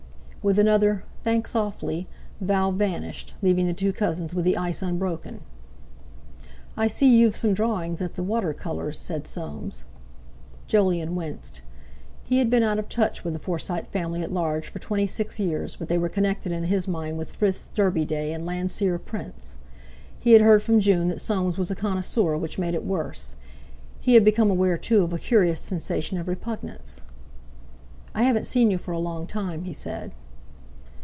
With another "Thanks, awfully!" Val vanished, leaving the two cousins with the ice unbroken. "I see you've some drawings at the 'Water Colours,'" said Soames. Jolyon winced. He had been out of touch with the Forsyte family at large for twenty six years, but they were connected in his mind with Frith's "Derby Day" and Landseer prints. He had heard from June that Soames was a connoisseur, which made it worse. He had become aware, too, of a curious sensation of repugnance. "I haven't seen you for a long time," he said.